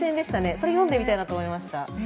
それ読んでみたいなと思いましたね。